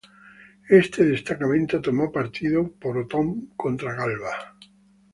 Este destacamento tomó partido por Otón contra Galba.